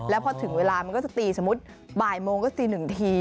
แล้วพอถึงเวลามันก็จะตีสมมุติบ่ายโมงก็ตีหนึ่งที